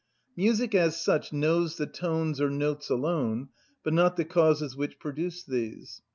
Music as such knows the tones or notes alone, but not the causes which produce these.